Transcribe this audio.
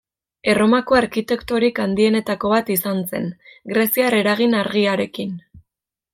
Erromako arkitektorik handienetako bat izan zen, greziar eragin argiarekin.